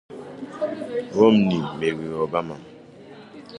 Romney meriri Obama